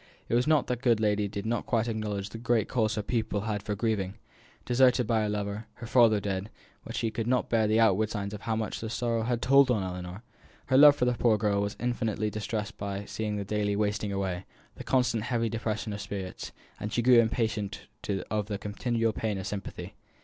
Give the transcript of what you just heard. It was not that the good lady did not quite acknowledge the great cause her pupil had for grieving deserted by her lover, her father dead but that she could not bear the outward signs of how much these sorrows had told on Ellinor. Her love for the poor girl was infinitely distressed by seeing the daily wasting away, the constant heavy depression of spirits, and she grew impatient of the continual pain of sympathy.